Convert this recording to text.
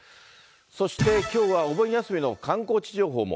そしてきょうはお盆休みの観光地情報も。